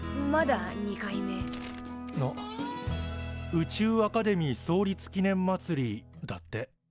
宇宙アカデミー創立記念まつりだって。